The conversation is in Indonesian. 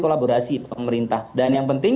kolaborasi pemerintah dan yang penting